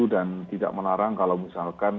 dan tidak melarang kalau misalkan